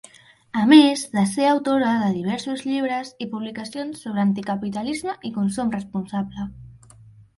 A més de ser autora de diversos llibres i publicacions sobre anticapitalisme i consum responsable.